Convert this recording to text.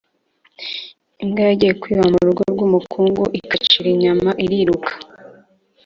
Imbwa yagiye kwiba mu rugo rw’umukungu ikacira inyama iriruka